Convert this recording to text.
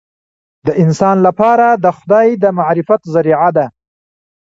د انسان لپاره د خدای د معرفت ذریعه ده.